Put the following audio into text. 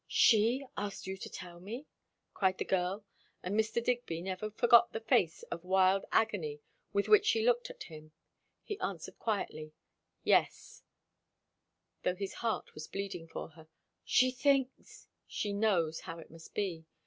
"She asked you to tell me?" cried the girl; and Mr. Digby never forgot the face of wild agony with which she looked at him. He answered quietly, "Yes;" though his heart was bleeding for her. "She thinks " "She knows how it must be.